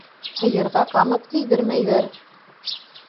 Һыйырға ҡамыт кейҙермәйҙәр.